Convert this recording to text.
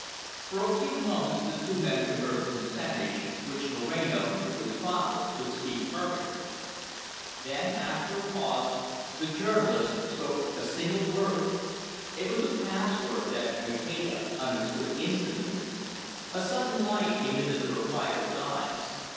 For a few moments the two men conversed in Spanish, which Moreno, through his father, could speak perfectly. Then, after a pause, the journalist spoke a single word it was a password, that Maceda understood instantly. A sudden light came into the proprietor's eyes.